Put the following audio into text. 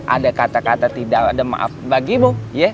ada kata kata tidak ada maaf bagimu